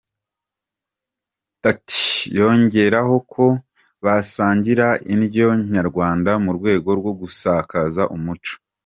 Tuty yongeraho ko basangira indyo nyarwanda mu rwego rwo gusakaza umuco.